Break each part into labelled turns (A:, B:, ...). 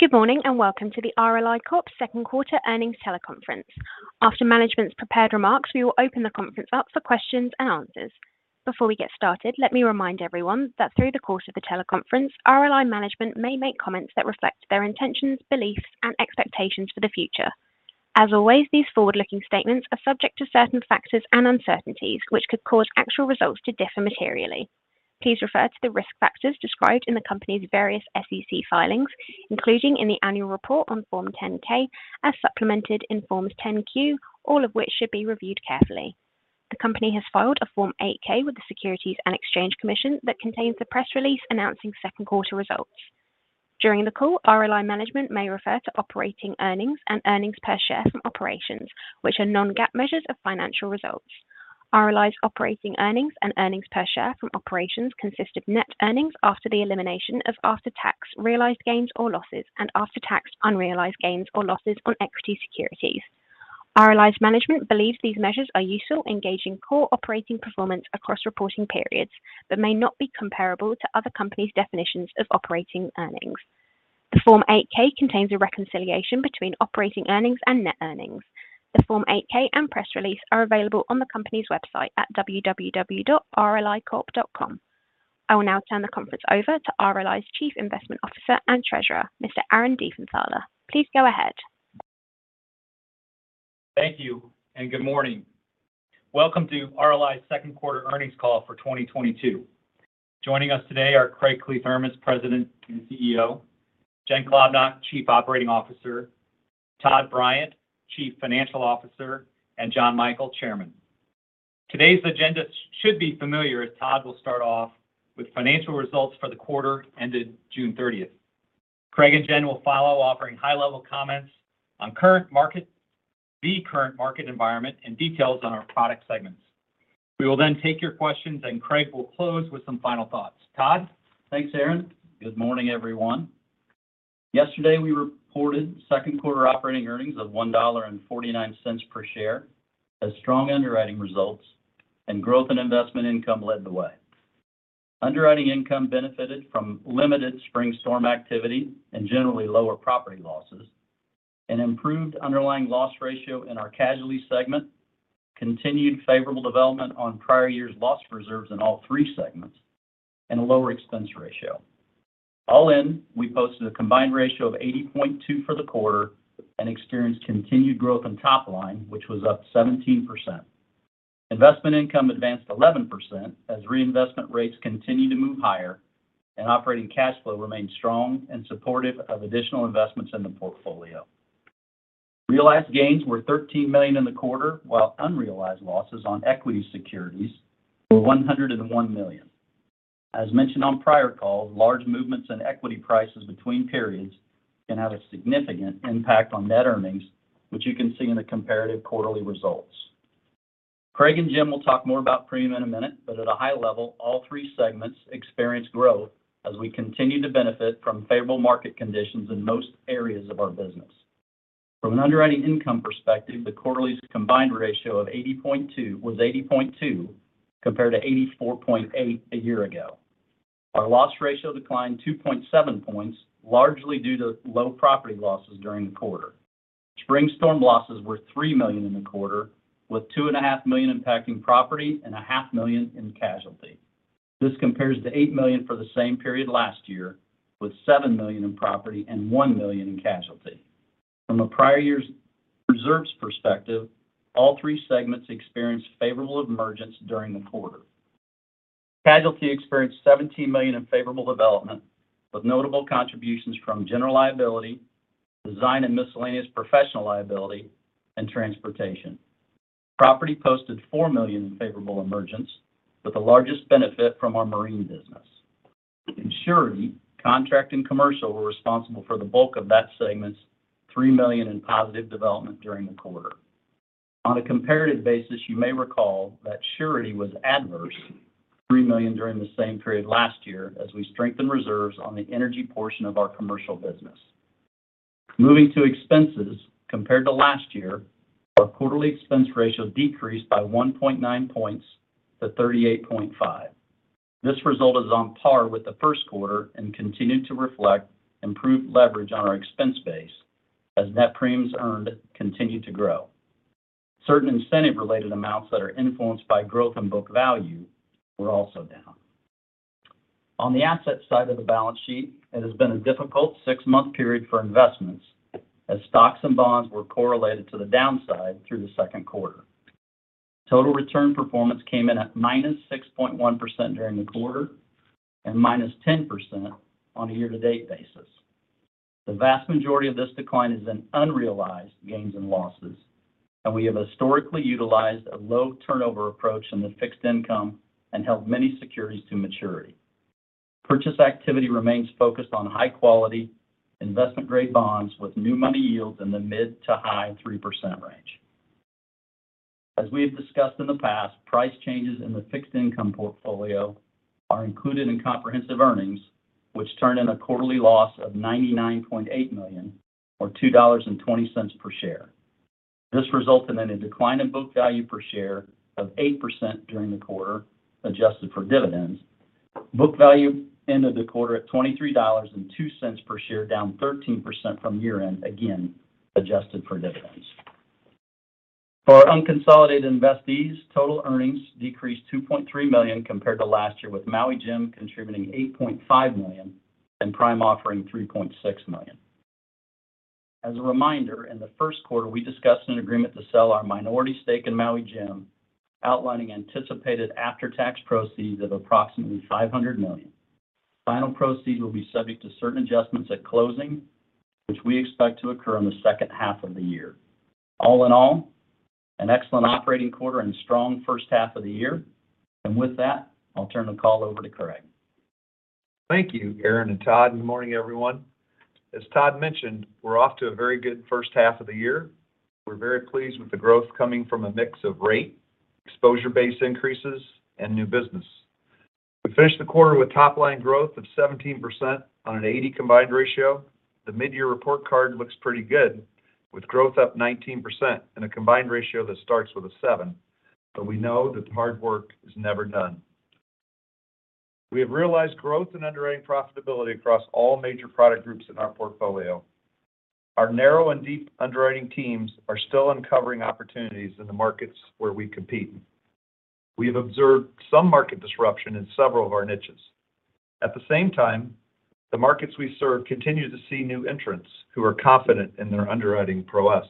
A: Good morning, and welcome to the RLI Corp. Second Quarter Earnings Teleconference. After management's prepared remarks, we will open the conference up for Q&A. Before we get started, let me remind everyone that through the course of the teleconference, RLI management may make comments that reflect their intentions, beliefs, and expectations for the future. As always, these forward-looking statements are subject to certain factors and uncertainties which could cause actual results to differ materially. Please refer to the risk factors described in the company's various SEC filings, including in the annual report on Form 10-K, as supplemented in Form 10-Q, all of which should be reviewed carefully. The company has filed a Form 8-K with the Securities and Exchange Commission that contains the press release announcing second quarter results. During the call, RLI management may refer to operating earnings and earnings per share from operations, which are non-GAAP measures of financial results. RLI's operating earnings and earnings per share from operations consist of net earnings after the elimination of after-tax realized gains or losses and after-tax unrealized gains or losses on equity securities. RLI's management believes these measures are useful in gauging core operating performance across reporting periods but may not be comparable to other companies' definitions of operating earnings. The Form 8-K contains a reconciliation between operating earnings and net earnings. The Form 8-K and press release are available on the company's website at www.rlicorp.com. I will now turn the conference over to RLI's Chief Investment Officer and Treasurer, Mr. Aaron Diefenthaler. Please go ahead.
B: Thank you and good morning. Welcome to RLI's second quarter earnings call for 2022. Joining us today are Craig Kliethermes, President and CEO, Jen Klobnak, Chief Operating Officer, Todd Bryant, Chief Financial Officer, and Jon Michael, Chairman. Today's agenda should be familiar, as Todd will start off with financial results for the quarter ended June 30th. Craig and Jen will follow, offering high-level comments on current market environment and details on our product segments. We will then take your questions, and Craig will close with some final thoughts. Todd?
C: Thanks, Aaron. Good morning, everyone. Yesterday, we reported second quarter operating earnings of $1.49 per share as strong underwriting results and growth in investment income led the way. Underwriting income benefited from limited spring storm activity and generally lower property losses, an improved underlying loss ratio in our casualty segment, continued favorable development on prior years' loss reserves in all three segments, and a lower expense ratio. All in, we posted a combined ratio of 80.2 for the quarter and experienced continued growth in top line, which was up 17%. Investment income advanced 11% as reinvestment rates continued to move higher and operating cash flow remained strong and supportive of additional investments in the portfolio. Realized gains were $13 million in the quarter, while unrealized losses on equity securities were $101 million. As mentioned on prior calls, large movements in equity prices between periods can have a significant impact on net earnings, which you can see in the comparative quarterly results. Craig and Jen will talk more about prem in a minute, but at a high level, all three segments experienced growth as we continue to benefit from favorable market conditions in most areas of our business. From an underwriting income perspective, the quarter's combined ratio of 80.2 was 80.2, compared to 84.8 a year ago. Our loss ratio declined 2.7 points, largely due to low property losses during the quarter. Spring storm losses were $3 million in the quarter, with two and a half million impacting property and a half million in casualty. This compares to $8 million for the same period last year, with $7 million in property and $1 million in casualty. From a prior year's reserves perspective, all three segments experienced favorable emergence during the quarter. Casualty experienced $17 million in favorable development, with notable contributions from general liability, design and miscellaneous professional liability, and transportation. Property posted $4 million in favorable emergence, with the largest benefit from our marine business. Surety, contract, and commercial were responsible for the bulk of that segment's $3 million in positive development during the quarter. On a comparative basis, you may recall that surety was adverse $3 million during the same period last year as we strengthened reserves on the energy portion of our commercial business. Moving to expenses, compared to last year, our quarterly expense ratio decreased by 1.9 points to 38.5%. This result is on par with the first quarter and continued to reflect improved leverage on our expense base as net premiums earned continued to grow. Certain incentive-related amounts that are influenced by growth in book value were also down. On the asset side of the balance sheet, it has been a difficult six-month period for investments as stocks and bonds were correlated to the downside through the second quarter. Total return performance came in at -6.1% during the quarter and -10% on a year-to-date basis. The vast majority of this decline is in unrealized gains and losses, and we have historically utilized a low turnover approach in the fixed income and held many securities to maturity. Purchase activity remains focused on high-quality investment-grade bonds with new money yields in the mid to high-3% range. As we have discussed in the past, price changes in the fixed income portfolio are included in comprehensive earnings, which turned in a quarterly loss of $99.8 million or $2.20 per share. This resulted in a decline in book value per share of 8% during the quarter, adjusted for dividends. Book value ended the quarter at $23.02 per share, down 13% from year-end, again, adjusted for dividends. For our unconsolidated investees, total earnings decreased $2.3 million compared to last year, with Maui Jim contributing $8.5 million and Prime offering $3.6 million. As a reminder, in the first quarter we discussed an agreement to sell our minority stake in Maui Jim, outlining anticipated after-tax proceeds of approximately $500 million. Final proceeds will be subject to certain adjustments at closing, which we expect to occur in the second half of the year. All in all, an excellent operating quarter and strong first half of the year. With that, I'll turn the call over to Craig.
D: Thank you, Aaron and Todd. Good morning, everyone. As Todd mentioned, we're off to a very good first half of the year. We're very pleased with the growth coming from a mix of rate, exposure base increases, and new business. We finished the quarter with top line growth of 17% on an 80 combined ratio. The mid-year report card looks pretty good, with growth up 19% and a combined ratio that starts with a seven, but we know that the hard work is never done. We have realized growth in underwriting profitability across all major product groups in our portfolio. Our narrow and deep underwriting teams are still uncovering opportunities in the markets where we compete. We have observed some market disruption in several of our niches. At the same time, the markets we serve continue to see new entrants who are confident in their underwriting prowess.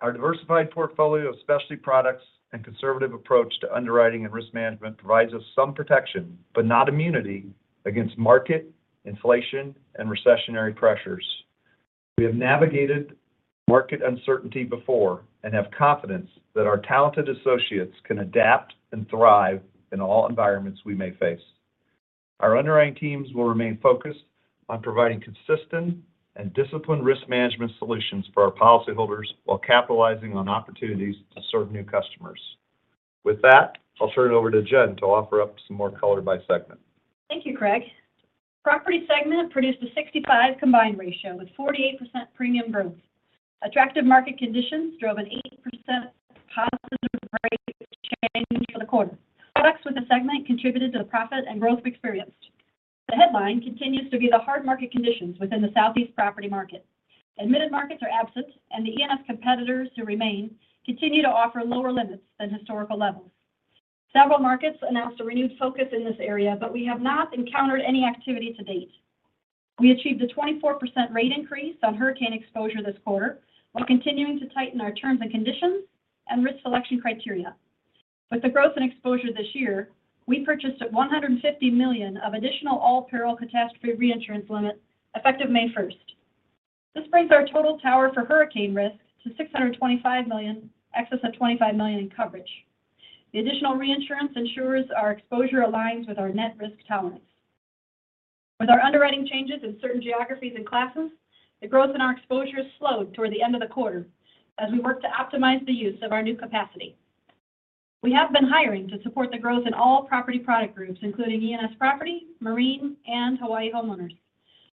D: Our diversified portfolio of specialty products and conservative approach to underwriting and risk management provides us some protection, but not immunity, against market, inflation, and recessionary pressures. We have navigated market uncertainty before and have confidence that our talented associates can adapt and thrive in all environments we may face. Our underwriting teams will remain focused on providing consistent and disciplined risk management solutions for our policyholders while capitalizing on opportunities to serve new customers. With that, I'll turn it over to Jen to offer up some more color by segment.
E: Thank you, Craig. Property segment produced a 65 combined ratio with 48% premium growth. Attractive market conditions drove an 8% positive rate change for the quarter. Products within the segment contributed to the profit and growth we experienced. The headline continues to be the hard market conditions within the Southeast property market. Admitted markets are absent, and the E&S competitors who remain continue to offer lower limits than historical levels. Several markets announced a renewed focus in this area, but we have not encountered any activity to date. We achieved a 24% rate increase on hurricane exposure this quarter while continuing to tighten our terms and conditions and risk selection criteria. With the growth in exposure this year, we purchased $150 million of additional all-peril catastrophe reinsurance limit effective May 1. This brings our total tower for hurricane risk to $625 million excess of $25 million in coverage. The additional reinsurance ensures our exposure aligns with our net risk tolerance. With our underwriting changes in certain geographies and classes, the growth in our exposure slowed toward the end of the quarter as we work to optimize the use of our new capacity. We have been hiring to support the growth in all property product groups, including E&S property, Marine, and Hawaii homeowners.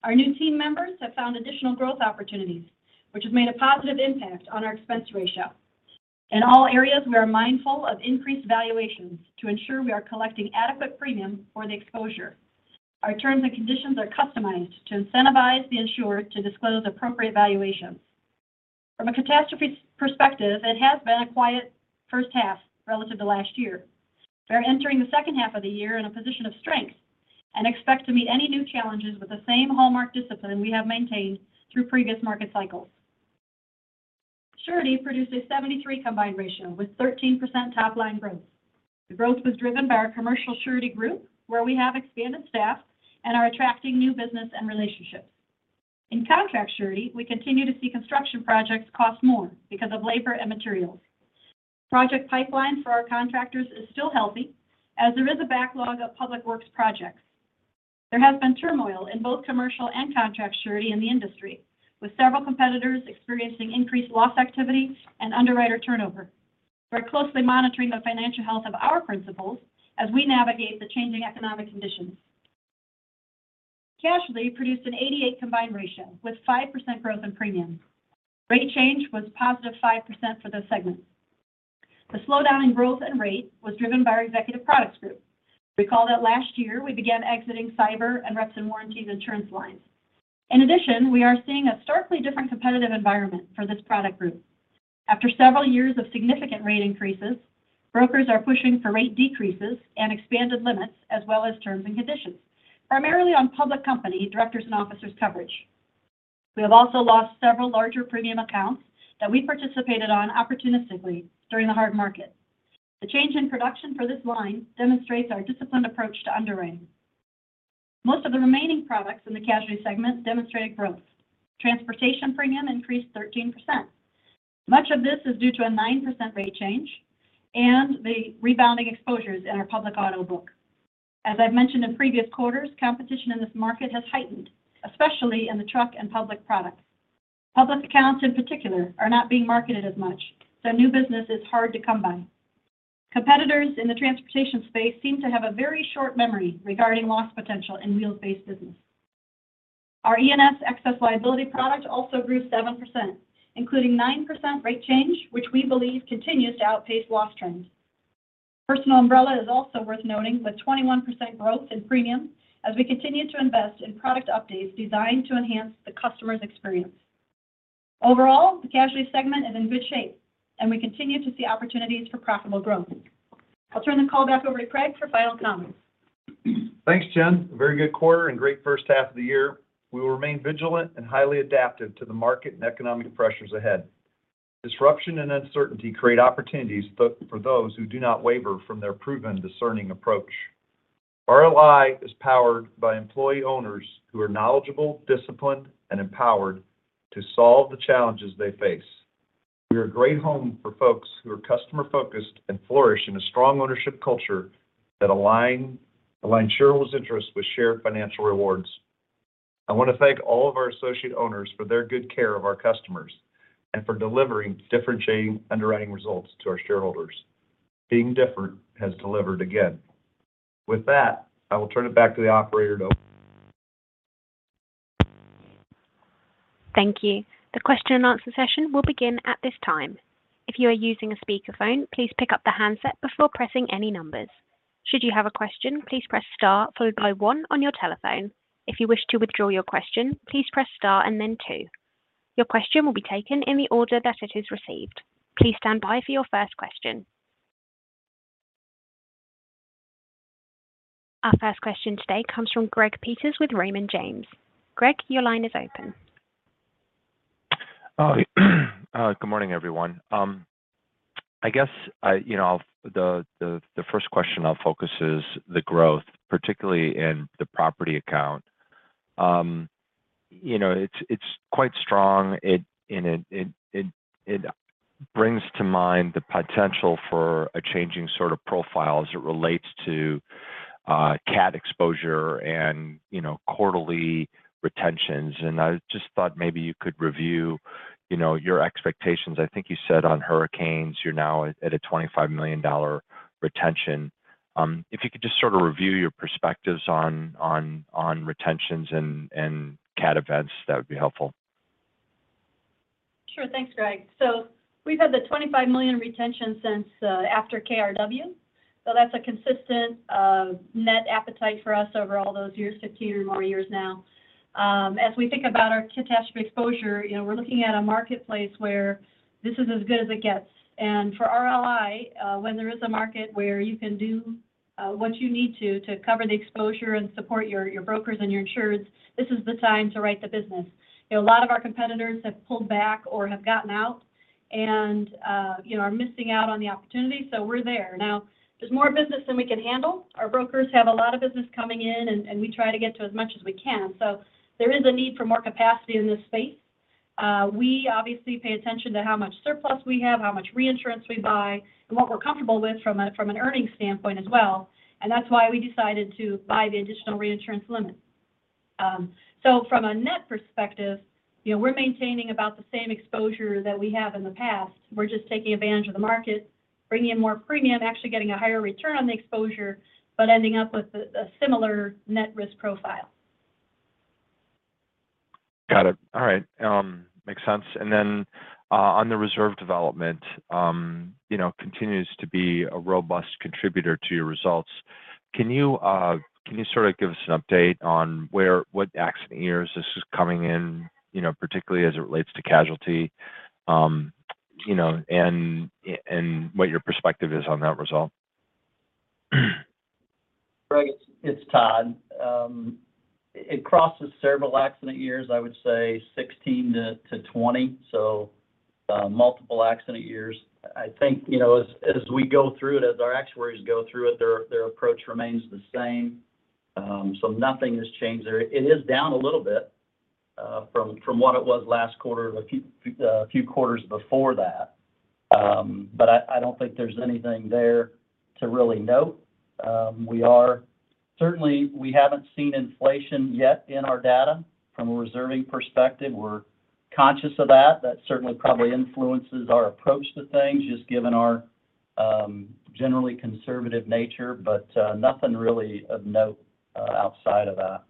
E: Our new team members have found additional growth opportunities, which has made a positive impact on our expense ratio. In all areas, we are mindful of increased valuations to ensure we are collecting adequate premium for the exposure. Our terms and conditions are customized to incentivize the insurer to disclose appropriate valuations. From a catastrophe perspective, it has been a quiet first half relative to last year. We're entering the second half of the year in a position of strength and expect to meet any new challenges with the same hallmark discipline we have maintained through previous market cycles. Surety produced a 73 combined ratio with 13% top-line growth. The growth was driven by our commercial surety group, where we have expanded staff and are attracting new business and relationships. In contract surety, we continue to see construction projects cost more because of labor and materials. Project pipeline for our contractors is still healthy as there is a backlog of public works projects. There has been turmoil in both commercial and contract surety in the industry, with several competitors experiencing increased loss activity and underwriter turnover. We're closely monitoring the financial health of our principals as we navigate the changing economic conditions. Casualty produced an 88 combined ratio with 5% growth in premium. Rate change was positive 5% for this segment. The slowdown in growth and rate was driven by our executive products group. Recall that last year we began exiting cyber and reps and warranties insurance lines. In addition, we are seeing a starkly different competitive environment for this product group. After several years of significant rate increases, brokers are pushing for rate decreases and expanded limits as well as terms and conditions, primarily on public company directors and officers coverage. We have also lost several larger premium accounts that we participated on opportunistically during the hard market. The change in production for this line demonstrates our disciplined approach to underwriting. Most of the remaining products in the casualty segment demonstrated growth. Transportation premium increased 13%. Much of this is due to a 9% rate change and the rebounding exposures in our public auto book. As I've mentioned in previous quarters, competition in this market has heightened, especially in the truck and public products. Public accounts in particular are not being marketed as much, so new business is hard to come by. Competitors in the transportation space seem to have a very short memory regarding loss potential in wheels-based business. Our E&S excess liability product also grew 7%, including 9% rate change, which we believe continues to outpace loss trends. Personal umbrella is also worth noting, with 21% growth in premium as we continue to invest in product updates designed to enhance the customer's experience. Overall, the casualty segment is in good shape, and we continue to see opportunities for profitable growth. I'll turn the call back over to Craig for final comments.
D: Thanks, Jen. A very good quarter and great first half of the year. We will remain vigilant and highly adaptive to the market and economic pressures ahead. Disruption and uncertainty create opportunities but for those who do not waver from their proven discerning approach. RLI is powered by employee owners who are knowledgeable, disciplined, and empowered to solve the challenges they face. We are a great home for folks who are customer-focused and flourish in a strong ownership culture that align shareholders' interests with shared financial rewards. I want to thank all of our associate owners for their good care of our customers and for delivering differentiating underwriting results to our shareholders. Being different has delivered again. With that, I will turn it back to the operator.
A: Thank you. The Q&A session will begin at this time. If you are using a speakerphone, please pick up the handset before pressing any numbers. Should you have a question, please press star followed by one on your telephone. If you wish to withdraw your question, please press star and then two. Your question will be taken in the order that it is received. Please stand by for your first question. Our first question today comes from Greg Peters with Raymond James. Greg, your line is open.
F: Good morning, everyone. You know, the first question I'll focus is the growth, particularly in the property account. You know, it's quite strong. It brings to mind the potential for a changing sort of profile as it relates to CAT exposure and, you know, quarterly retentions. I just thought maybe you could review, you know, your expectations. I think you said on hurricanes, you're now at a $25 million retention. If you could just sort of review your perspectives on retentions and CAT events, that would be helpful.
E: Sure. Thanks, Greg. We've had the $25 million retention since after KRW. That's a consistent net appetite for us over all those years, 15 or more years now. As we think about our catastrophe exposure, you know, we're looking at a marketplace where this is as good as it gets. For RLI, when there is a market where you can do what you need to cover the exposure and support your brokers and your insureds, this is the time to write the business. You know, a lot of our competitors have pulled back or have gotten out and you know are missing out on the opportunity. We're there. Now, there's more business than we can handle. Our brokers have a lot of business coming in, and we try to get to as much as we can. There is a need for more capacity in this space. We obviously pay attention to how much surplus we have, how much reinsurance we buy, and what we're comfortable with from an earnings standpoint as well, and that's why we decided to buy the additional reinsurance limit. From a net perspective, you know, we're maintaining about the same exposure that we have in the past. We're just taking advantage of the market, bringing in more premium, actually getting a higher return on the exposure, but ending up with a similar net risk profile.
F: Got it. All right. Makes sense. On the reserve development, you know, continues to be a robust contributor to your results. Can you sort of give us an update on what accident years this is coming in, you know, particularly as it relates to casualty, you know, and what your perspective is on that result?
C: Greg, it's Todd. It crosses several accident years. I would say 16-20, so multiple accident years. I think, you know, as we go through it, as our actuaries go through it, their approach remains the same. So nothing has changed there. It is down a little bit from what it was last quarter, a few quarters before that. But I don't think there's anything there to really note. Certainly, we haven't seen inflation yet in our data from a reserving perspective. We're conscious of that. That certainly probably influences our approach to things, just given our generally conservative nature, but nothing really of note outside of that.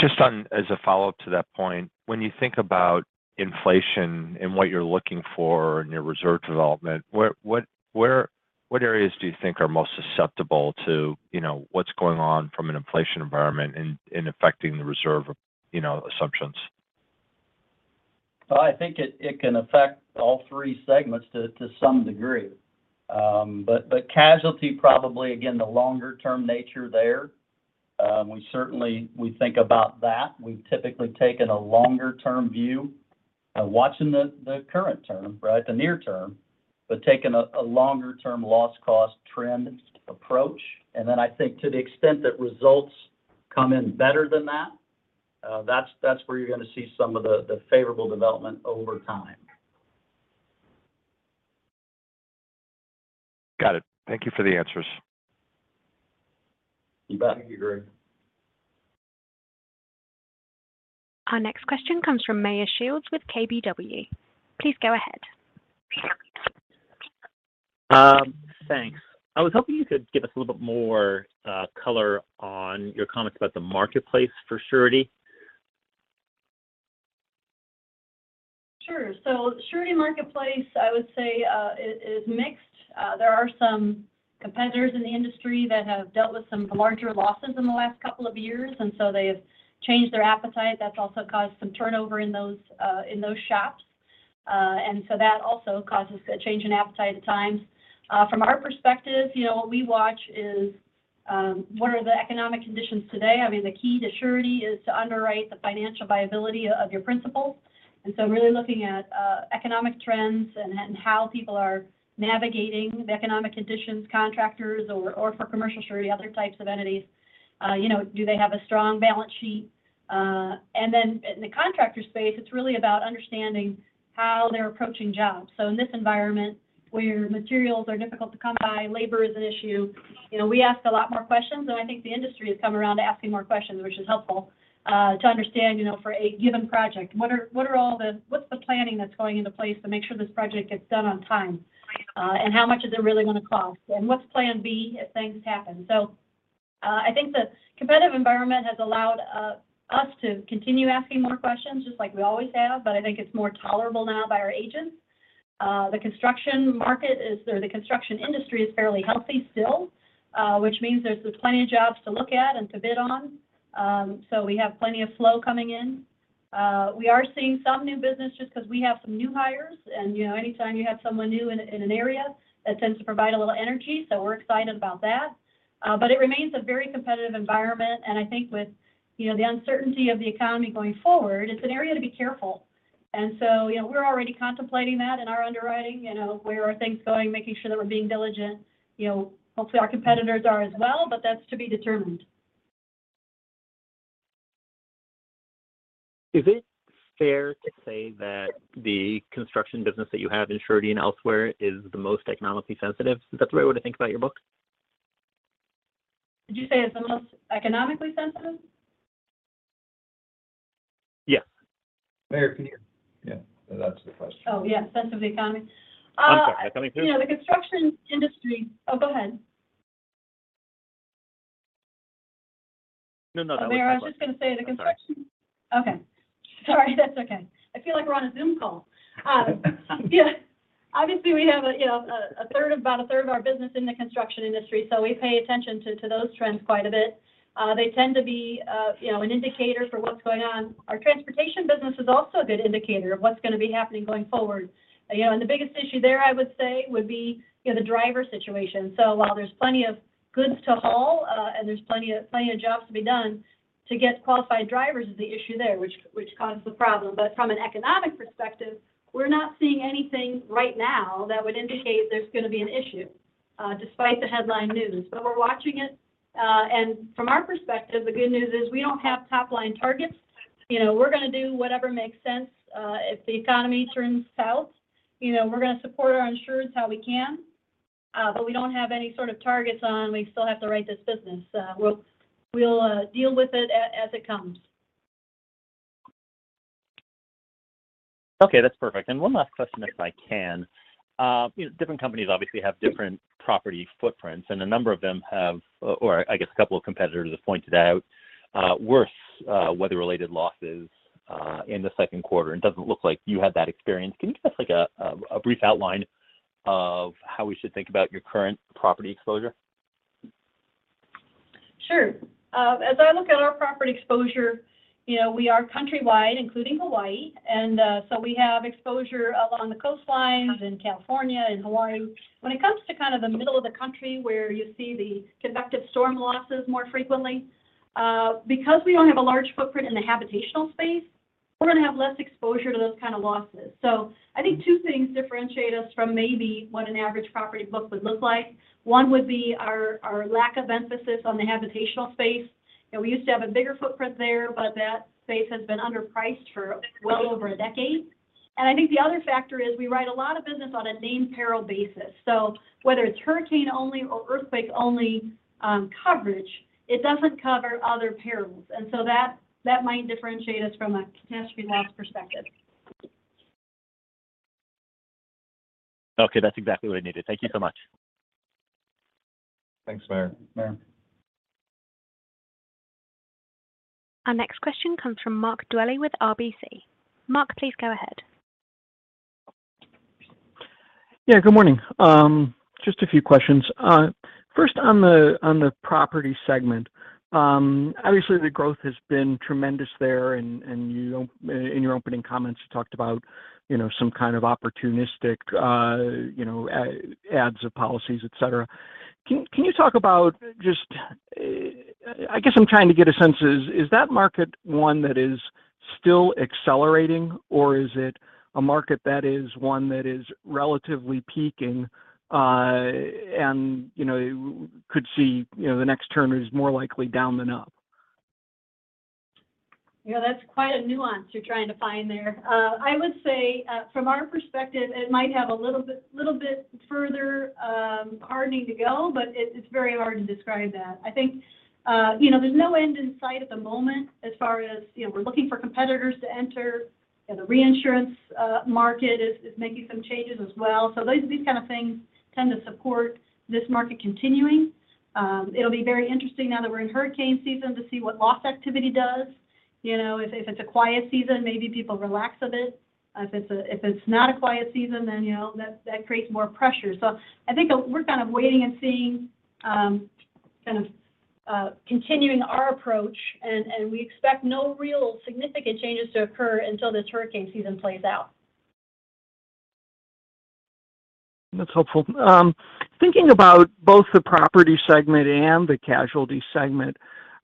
F: Just on as a follow-up to that point, when you think about inflation and what you're looking for in your reserve development, what areas do you think are most susceptible to, you know, what's going on from an inflation environment in affecting the reserve, you know, assumptions?
C: Well, I think it can affect all three segments to some degree. But casualty probably, again, the longer-term nature there, we certainly think about that. We've typically taken a longer-term view, watching the current term, right? The near term, but taking a longer-term loss cost trend approach. I think to the extent that results come in better than that's where you're gonna see some of the favorable development over time.
F: Got it. Thank you for the answers.
C: You bet.
D: Thank you, Greg.
A: Our next question comes from Meyer Shields with KBW. Please go ahead.
G: Thanks. I was hoping you could give us a little bit more color on your comments about the marketplace for surety.
E: Sure. Surety marketplace, I would say, is mixed. There are some competitors in the industry that have dealt with some larger losses in the last couple of years, and so they've changed their appetite. That's also caused some turnover in those shops. That also causes a change in appetite at times. From our perspective, you know, what we watch is what are the economic conditions today? I mean, the key to surety is to underwrite the financial viability of your principals. Really looking at economic trends and how people are navigating the economic conditions, contractors or for commercial surety, other types of entities. You know, do they have a strong balance sheet? Then in the contractor space, it's really about understanding how they're approaching jobs. In this environment where materials are difficult to come by, labor is an issue, you know, we ask a lot more questions, and I think the industry has come around to asking more questions, which is helpful to understand, you know, for a given project, what's the planning that's going into place to make sure this project gets done on time? And how much is it really gonna cost? And what's plan B if things happen? I think the competitive environment has allowed us to continue asking more questions just like we always have, but I think it's more tolerable now by our agents. The construction industry is fairly healthy still, which means there's plenty of jobs to look at and to bid on. We have plenty of flow coming in. We are seeing some new business just 'cause we have some new hires, and, you know, anytime you have someone new in an area, that tends to provide a little energy, so we're excited about that. It remains a very competitive environment, and I think with, you know, the uncertainty of the economy going forward, it's an area to be careful. We're already contemplating that in our underwriting, you know, where are things going, making sure that we're being diligent. You know, hopefully, our competitors are as well, but that's to be determined.
G: Is it fair to say that the construction business that you have in surety and elsewhere is the most economically sensitive? Is that the right way to think about your books?
E: Did you say it's the most economically sensitive?
G: Yes.
D: Meyer, can you? Yeah, that's the question.
E: Oh, yeah. Sense of the economy.
G: I'm sorry. Am I coming through?
E: You know, the construction industry. Oh, go ahead.
G: No, no. That was it.
E: Meyer, I was just gonna say the construction.
G: That's all right.
E: Okay. Sorry. That's okay. I feel like we're on a Zoom call. Yeah. Obviously, we have, you know, about a third of our business in the construction industry, so we pay attention to those trends quite a bit. They tend to be, you know, an indicator for what's going on. Our transportation business is also a good indicator of what's gonna be happening going forward. You know, the biggest issue there, I would say, would be, you know, the driver situation. While there's plenty of goods to haul, and there's plenty of jobs to be done, to get qualified drivers is the issue there, which causes the problem. From an economic perspective, we're not seeing anything right now that would indicate there's gonna be an issue, despite the headline news. We're watching it, and from our perspective, the good news is we don't have top-line targets. You know, we're gonna do whatever makes sense. If the economy turns south, you know, we're gonna support our insurers how we can, but we don't have any sort of targets. We still have to write this business. We'll deal with it as it comes.
G: Okay, that's perfect. One last question, if I can. You know, different companies obviously have different property footprints, and a number of them have, or I guess a couple of competitors have pointed out, worse, weather-related losses, in the second quarter. It doesn't look like you had that experience. Can you give us like a brief outline of how we should think about your current property exposure?
E: Sure. As I look at our property exposure, you know, we are countrywide, including Hawaii, and so we have exposure along the coastlines in California and Hawaii. When it comes to kind of the middle of the country where you see the convective storm losses more frequently, because we don't have a large footprint in the habitational space, we're gonna have less exposure to those kinda losses. I think two things differentiate us from maybe what an average property book would look like. One would be our lack of emphasis on the habitational space. You know, we used to have a bigger footprint there, but that space has been underpriced for well over a decade. I think the other factor is we write a lot of business on a named peril basis. Whether it's hurricane only or earthquake only coverage, it doesn't cover other perils. That might differentiate us from a catastrophe loss perspective.
G: Okay. That's exactly what I needed. Thank you so much.
D: Thanks, Meyer.
A: Our next question comes from Mark Dwelle with RBC. Mark, please go ahead.
H: Yeah, good morning. Just a few questions. First on the property segment, obviously the growth has been tremendous there and your opening comments, you talked about, you know, some kind of opportunistic, you know, adds of policies, et cetera. Can you talk about just, I guess I'm trying to get a sense, is that market one that is still accelerating or is it a market that is one that is relatively peaking, and, you know, could see, you know, the next turn is more likely down than up?
E: Yeah, that's quite a nuance you're trying to find there. I would say from our perspective, it might have a little bit further hardening to go, but it's very hard to describe that. I think you know, there's no end in sight at the moment as far as you know, we're looking for competitors to enter. You know, the reinsurance market is making some changes as well. So these kind of things tend to support this market continuing. It'll be very interesting now that we're in hurricane season to see what loss activity does. You know, if it's a quiet season, maybe people relax a bit. If it's not a quiet season, then you know, that creates more pressure. I think we're kind of waiting and seeing, kind of continuing our approach. We expect no real significant changes to occur until this hurricane season plays out.
H: That's helpful. Thinking about both the property segment and the casualty segment,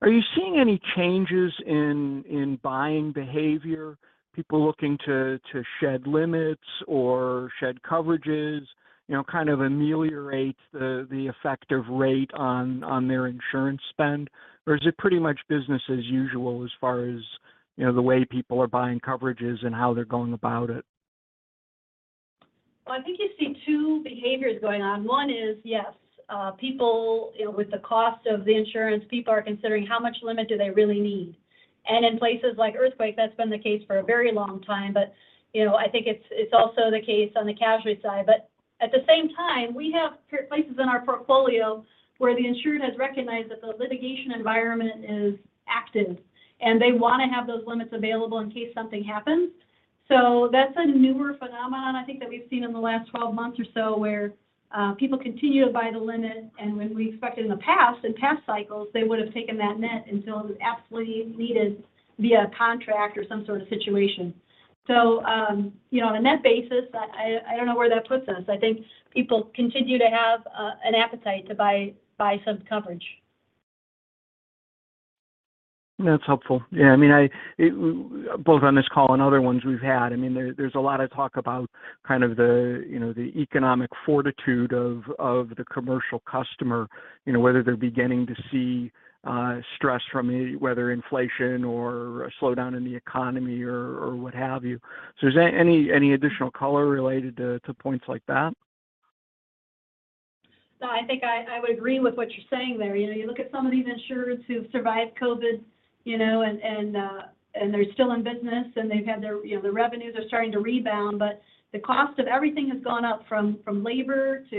H: are you seeing any changes in buying behavior, people looking to shed limits or shed coverages, you know, kind of ameliorate the effect of rate on their insurance spend, or is it pretty much business as usual as far as, you know, the way people are buying coverages and how they're going about it?
E: Well, I think you see two behaviors going on. One is, yes, people, you know, with the cost of the insurance, people are considering how much limit do they really need. In places like earthquake, that's been the case for a very long time. You know, I think it's also the case on the casualty side. At the same time, we have places in our portfolio where the insurer has recognized that the litigation environment is active, and they wanna have those limits available in case something happens. That's a newer phenomenon I think that we've seen in the last 12 months or so, where people continue to buy the limit, and when we expected in the past, in past cycles, they would've taken that net until it was absolutely needed via contract or some sort of situation. You know, on a net basis, I don't know where that puts us. I think people continue to have an appetite to buy some coverage.
H: That's helpful. Yeah, I mean, Both on this call and other ones we've had, I mean, there's a lot of talk about kind of the, you know, the economic fortitude of the commercial customer, you know, whether they're beginning to see stress from whether inflation or a slowdown in the economy or what have you. Is there any additional color related to points like that?
E: No, I think I would agree with what you're saying there. You know, you look at some of these insurers who've survived COVID, you know, and they're still in business, and their revenues are starting to rebound. The cost of everything has gone up from labor to,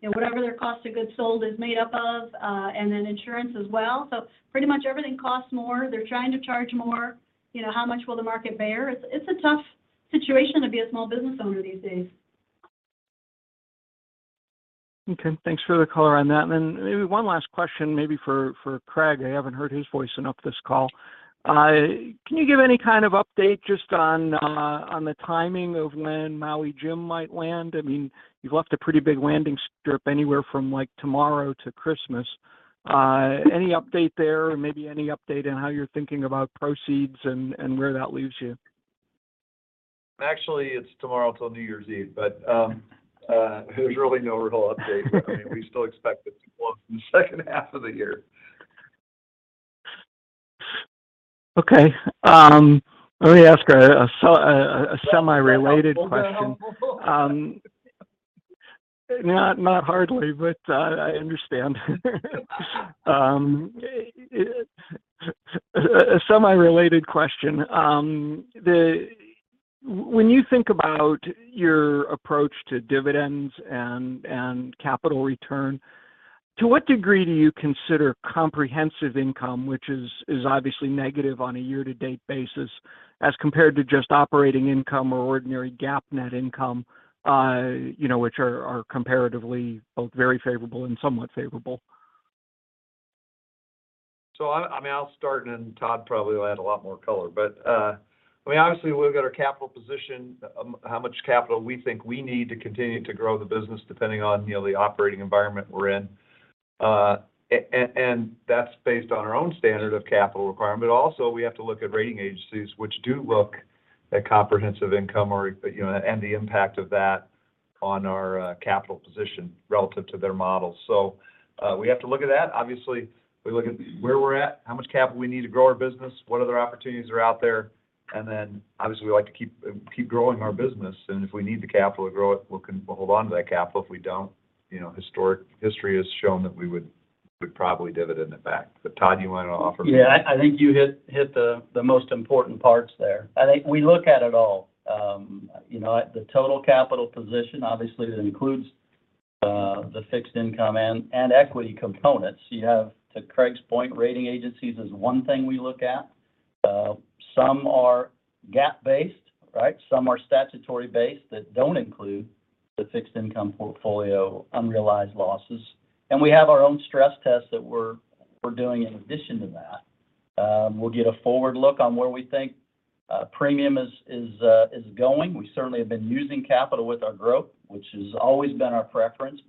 E: you know, whatever their cost of goods sold is made up of, and then insurance as well. Pretty much everything costs more. They're trying to charge more. You know, how much will the market bear? It's a tough situation to be a small business owner these days.
H: Okay. Thanks for the color on that. Then maybe one last question for Craig. I haven't heard his voice enough this call. Can you give any kind of update just on the timing of when Maui Jim might land? I mean, you've left a pretty big landing strip anywhere from, like, tomorrow to Christmas. Any update there? Maybe any update on how you're thinking about proceeds and where that leaves you?
D: Actually, it's tomorrow till New Year's Eve. There's really no real update. I mean, we still expect it to close in the second half of the year.
H: Okay. Let me ask a semi-related question.
D: Is that helpful?
H: Not hardly, I understand. A semi-related question. When you think about your approach to dividends and capital return, to what degree do you consider comprehensive income, which is obviously negative on a year-to-date basis, as compared to just operating income or ordinary GAAP net income, you know, which are comparatively both very favorable and somewhat favorable?
D: I mean, I'll start, and Todd probably will add a lot more color. I mean, obviously, we've got our capital position, how much capital we think we need to continue to grow the business depending on, you know, the operating environment we're in. And that's based on our own standard of capital requirement. Also, we have to look at rating agencies, which do look at comprehensive income or, you know, and the impact of that on our capital position relative to their models. We have to look at that. Obviously, we look at where we're at, how much capital we need to grow our business, what other opportunities are out there, and then obviously we like to keep growing our business. If we need the capital to grow it, we'll hold on to that capital. If we don't, you know, history has shown that we would probably dividend it back. Todd, you wanna offer-
C: Yeah. I think you hit the most important parts there. I think we look at it all, you know, at the total capital position. Obviously, that includes the fixed income and equity components. To Craig's point, rating agencies is one thing we look at. Some are GAAP-based, right? Some are statutory-based that don't include the fixed income portfolio unrealized losses. We have our own stress tests that we're doing in addition to that. We'll get a forward look on where we think premium is going. We certainly have been using capital with our growth, which has always been our preference.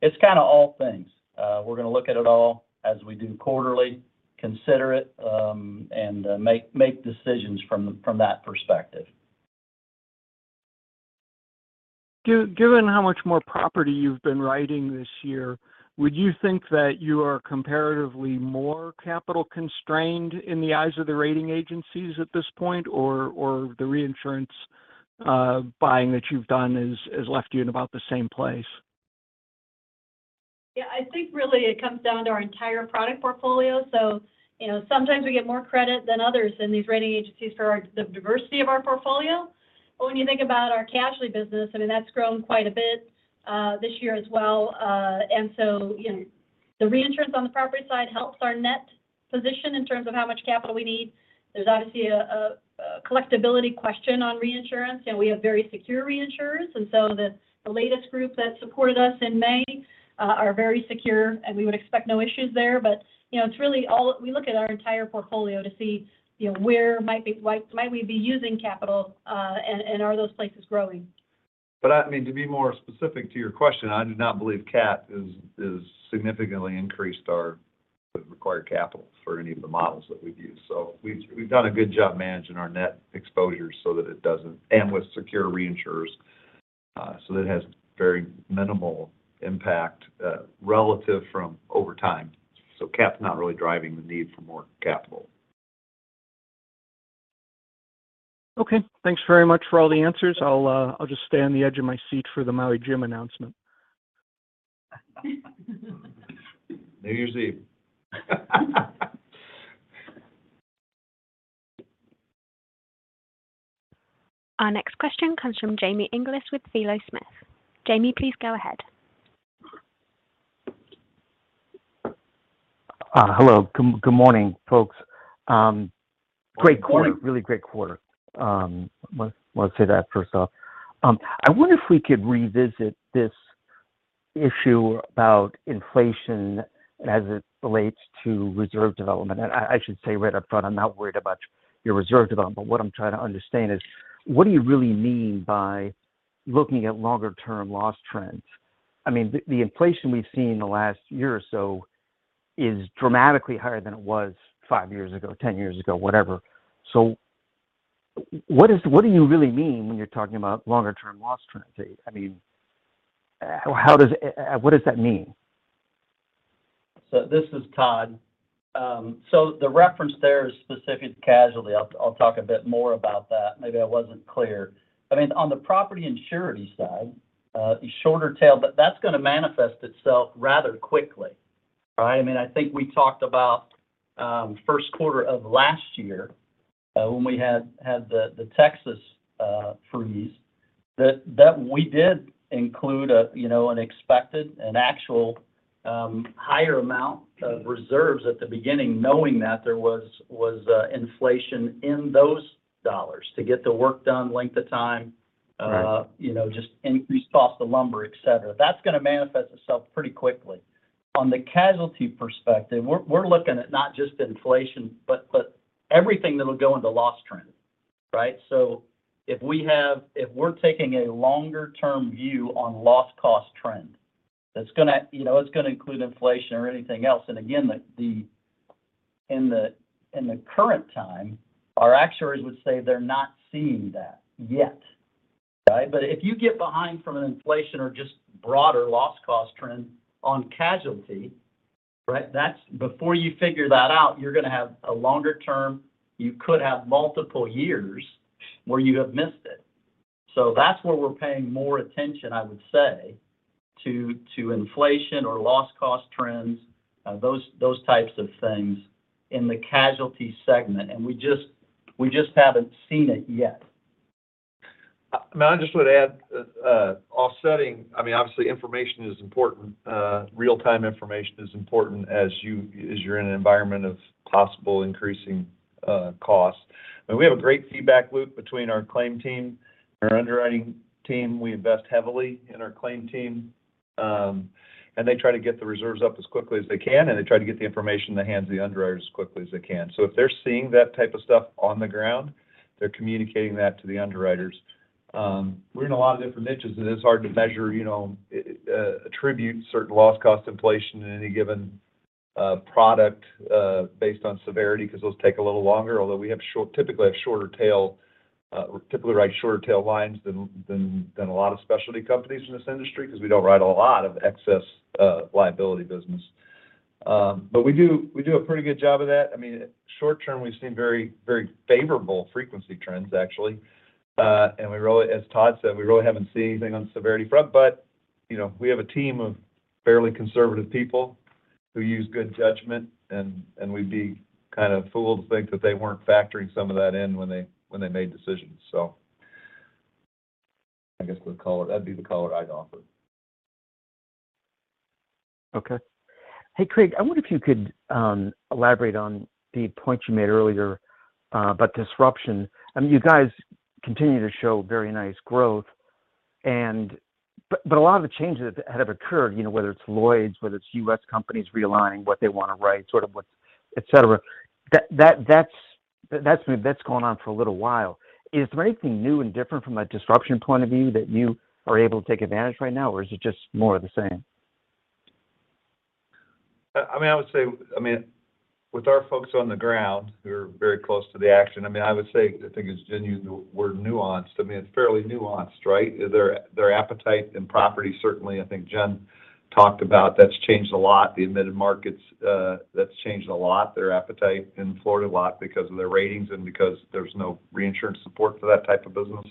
C: It's kinda all things. We're gonna look at it all as we do quarterly, consider it, and make decisions from that perspective.
H: Given how much more property you've been writing this year, would you think that you are comparatively more capital constrained in the eyes of the rating agencies at this point or the reinsurance buying that you've done has left you in about the same place?
E: Yeah. I think really it comes down to our entire product portfolio. You know, sometimes we get more credit than others in these rating agencies for the diversity of our portfolio. When you think about our casualty business, I mean, that's grown quite a bit this year as well. You know, the reinsurance on the property side helps our net position in terms of how much capital we need. There's obviously a collectibility question on reinsurance, and we have very secure reinsurers. The latest group that supported us in May are very secure, and we would expect no issues there. You know, it's really all. We look at our entire portfolio to see, you know, where might we be using capital, and are those places growing?
D: I mean, to be more specific to your question, I do not believe CAT has significantly increased our required capital for any of the models that we've used. We've done a good job managing our net exposure so that it doesn't and with secure reinsurers, so that it has very minimal impact, relatively over time. CAT's not really driving the need for more capital.
H: Okay. Thanks very much for all the answers. I'll just stay on the edge of my seat for the Maui Jim announcement.
D: New Year's Eve.
A: Our next question comes from Jamie Inglis with PhiloSmith. James, please go ahead.
I: Hello. Good morning, folks. Great quarter. Really great quarter. I want to say that first off. I wonder if we could revisit this issue about inflation as it relates to reserve development. I should say right up front, I'm not worried about your reserve development, but what I'm trying to understand is what do you really mean by looking at longer term loss trends? I mean, the inflation we've seen in the last year or so is dramatically higher than it was five years ago, ten years ago, whatever. What do you really mean when you're talking about longer term loss trends? I mean, what does that mean?
C: This is Todd. The reference there is specific to casualty. I'll talk a bit more about that. Maybe I wasn't clear. I mean, on the property and surety side, shorter tail, but that's gonna manifest itself rather quickly, right? I mean, I think we talked about first quarter of last year, when we had the Texas freeze, that we did include, you know, an expected, an actual higher amount of reserves at the beginning, knowing that there was inflation in those dollars to get the work done, length of time, you know, just increased cost of lumber, et cetera. That's gonna manifest itself pretty quickly. On the casualty perspective, we're looking at not just inflation, but everything that'll go into loss trend, right? If we're taking a longer term view on loss cost trend, that's gonna, you know, include inflation or anything else. In the current time, our actuaries would say they're not seeing that yet, right? If you get behind from an inflation or just broader loss cost trend on casualty, right, that's before you figure that out, you're gonna have a longer term. You could have multiple years where you have missed it. That's where we're paying more attention, I would say, to inflation or loss cost trends, those types of things in the casualty segment, and we just haven't seen it yet.
D: I just would add. I mean, obviously information is important. Real-time information is important as you're in an environment of possible increasing costs. We have a great feedback loop between our claim team, our underwriting team. We invest heavily in our claim team. They try to get the reserves up as quickly as they can, and they try to get the information in the hands of the underwriters as quickly as they can. If they're seeing that type of stuff on the ground, they're communicating that to the underwriters. We're in a lot of different niches, and it's hard to measure, you know, attribute certain loss cost inflation in any given product, based on severity, 'cause those take a little longer. Although we typically have shorter tail, we typically write shorter tail lines than a lot of specialty companies in this industry, 'cause we don't write a lot of excess liability business. We do a pretty good job of that. I mean, short term, we've seen very favorable frequency trends, actually. As Todd said, we really haven't seen anything on the severity front. You know, we have a team of fairly conservative people who use good judgment, and we'd be kind of fooled to think that they weren't factoring some of that in when they made decisions. I guess we'll call it. That'd be the call I'd offer.
I: Okay. Hey, Craig, I wonder if you could elaborate on the point you made earlier about disruption. I mean, you guys continue to show very nice growth. A lot of the changes that have occurred, you know, whether it's Lloyd's, whether it's U.S. companies realigning what they wanna write, sort of what et cetera. That's been going on for a little while. Is there anything new and different from a disruption point of view that you are able to take advantage right now, or is it just more of the same?
D: I mean, I would say, I mean, with our folks on the ground who are very close to the action, I mean, I would say I think it's genuinely the word nuanced. I mean, it's fairly nuanced, right? Their appetite in property, certainly I think Jen talked about, that's changed a lot. The admitted markets, that's changed a lot, their appetite in Florida a lot because of their ratings and because there's no reinsurance support for that type of business.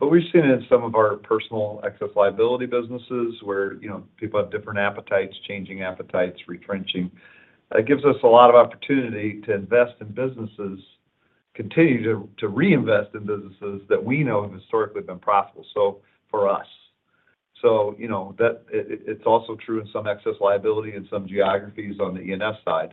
D: We've seen it in some of our personal excess liability businesses where, you know, people have different appetites, changing appetites, retrenching. It gives us a lot of opportunity to invest in businesses, continue to reinvest in businesses that we know have historically been profitable, so for us. You know, it's also true in some excess liability and some geographies on the E&S side.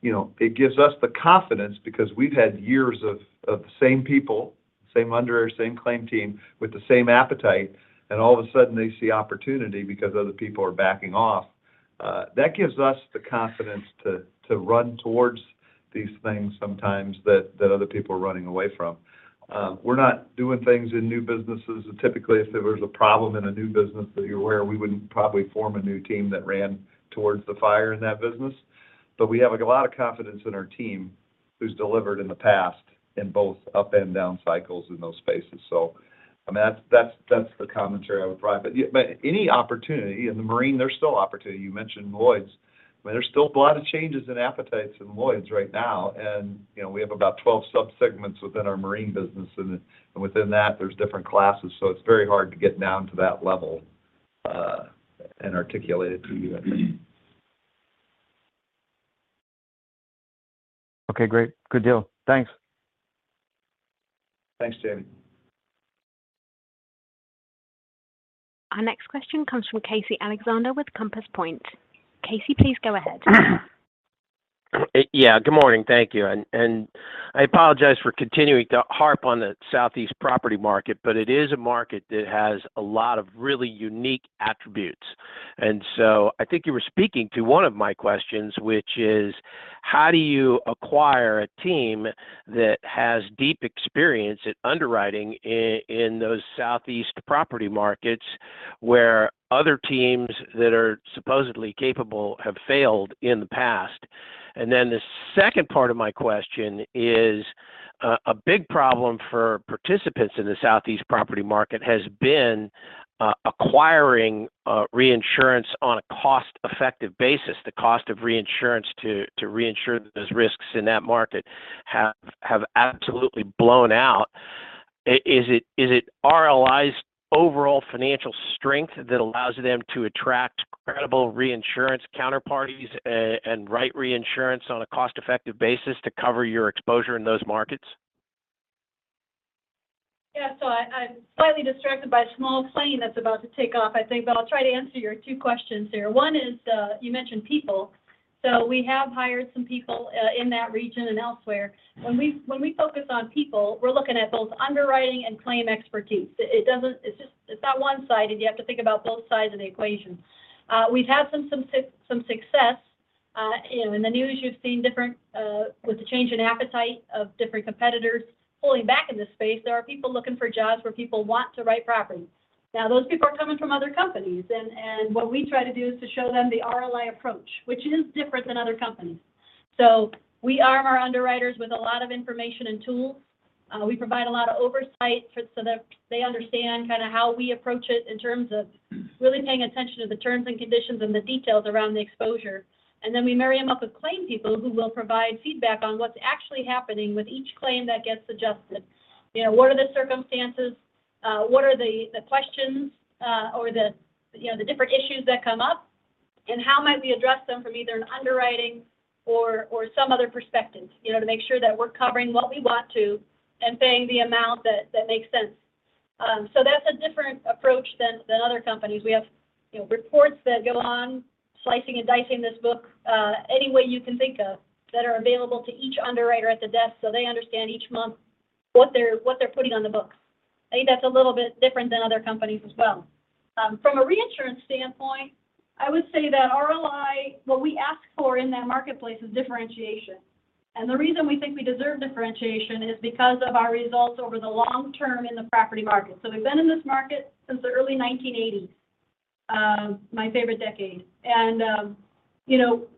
D: You know, it gives us the confidence because we've had years of the same people, same underwriter, same claim team with the same appetite, and all of a sudden they see opportunity because other people are backing off. That gives us the confidence to run towards these things sometimes that other people are running away from. We're not doing things in new businesses. Typically, if there was a problem in a new business that you're aware, we wouldn't probably form a new team that ran towards the fire in that business. We have a lot of confidence in our team who's delivered in the past in both up and down cycles in those spaces. I mean, that's the commentary I would provide. Yeah, any opportunity in the marine, there's still opportunity. You mentioned Lloyd's. I mean, there's still a lot of changes in appetites in Lloyd's right now and, you know, we have about 12 subsegments within our marine business and within that there's different classes. It's very hard to get down to that level and articulate it to you that way.
I: Okay, great. Good deal. Thanks.
D: Thanks, James.
A: Our next question comes from Casey Alexander with Compass Point. Casey, please go ahead.
J: Yeah, good morning. Thank you. I apologize for continuing to harp on the Southeast property market, but it is a market that has a lot of really unique attributes. I think you were speaking to one of my questions, which is how do you acquire a team that has deep experience at underwriting in those Southeast property markets where other teams that are supposedly capable have failed in the past? The second part of my question is a big problem for participants in the Southeast property market has been acquiring reinsurance on a cost-effective basis. The cost of reinsurance to reinsure those risks in that market have absolutely blown out. Is it RLI's overall financial strength that allows them to attract credible reinsurance counterparties and write reinsurance on a cost-effective basis to cover your exposure in those markets?
E: Yeah. I'm slightly distracted by a small plane that's about to take off, I think. I'll try to answer your two questions here. One is, you mentioned people. We have hired some people in that region and elsewhere. When we focus on people, we're looking at both underwriting and claim expertise. It's not one-sided. You have to think about both sides of the equation. We've had some success, you know, in the news you've seen different, with the change in appetite of different competitors pulling back in this space. There are people looking for jobs where people want to write property. Now, those people are coming from other companies and what we try to do is to show them the RLI approach, which is different than other companies. We arm our underwriters with a lot of information and tools. We provide a lot of oversight so that they understand kind of how we approach it in terms of really paying attention to the terms and conditions and the details around the exposure. Then we marry them up with claim people who will provide feedback on what's actually happening with each claim that gets adjusted. You know, what are the circumstances, what are the questions, or the, you know, the different issues that come up, and how might we address them from either an underwriting or some other perspective, you know, to make sure that we're covering what we want to and paying the amount that makes sense. That's a different approach than other companies. We have, you know, reports that go on slicing and dicing this book any way you can think of that are available to each underwriter at the desk so they understand each month what they're putting on the books. I think that's a little bit different than other companies as well. From a reinsurance standpoint, I would say that RLI, what we ask for in that marketplace is differentiation. The reason we think we deserve differentiation is because of our results over the long term in the property market. We've been in this market since the early 1980s, my favorite decade.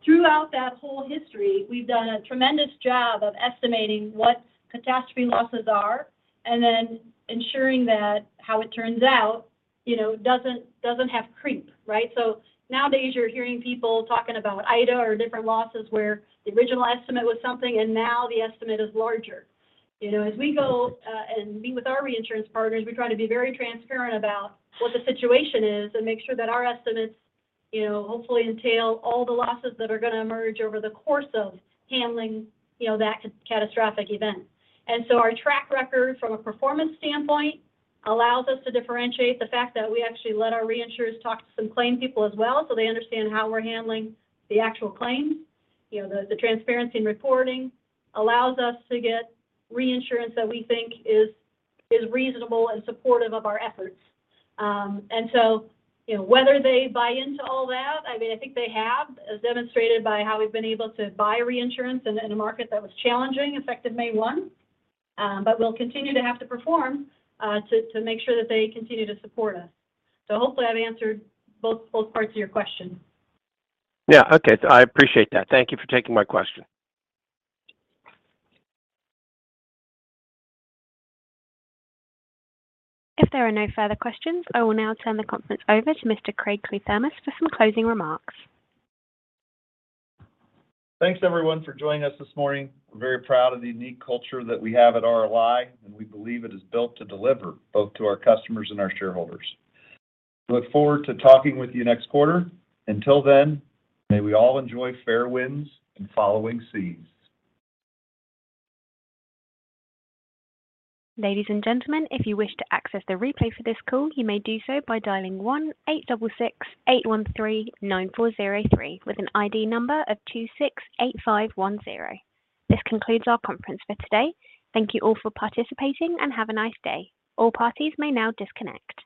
E: Throughout that whole history, we've done a tremendous job of estimating what catastrophe losses are and then ensuring that how it turns out, you know, doesn't have creep, right? Nowadays you're hearing people talking about Ida or different losses where the original estimate was something and now the estimate is larger. You know, as we go and meet with our reinsurance partners, we try to be very transparent about what the situation is and make sure that our estimates, you know, hopefully entail all the losses that are gonna emerge over the course of handling, you know, that catastrophic event. Our track record from a performance standpoint allows us to differentiate the fact that we actually let our reinsurers talk to some claim people as well, so they understand how we're handling the actual claims. You know, the transparency in reporting allows us to get reinsurance that we think is reasonable and supportive of our efforts. You know, whether they buy into all that, I mean, I think they have as demonstrated by how we've been able to buy reinsurance in a market that was challenging, effective May 1. But we'll continue to have to perform to make sure that they continue to support us. Hopefully I've answered both parts of your question.
J: Yeah. Okay. I appreciate that. Thank you for taking my question.
A: If there are no further questions, I will now turn the conference over to Mr. Craig Kliethermes for some closing remarks.
D: Thanks everyone for joining us this morning. We're very proud of the unique culture that we have at RLI, and we believe it is built to deliver both to our customers and our shareholders. Look forward to talking with you next quarter. Until then, may we all enjoy fair winds and following seas.
A: Ladies and gentlemen, if you wish to access the replay for this call, you may do so by dialing 1-866-813-9403 with an ID number of 268510. This concludes our conference for today. Thank you all for participating and have a nice day. All parties may now disconnect.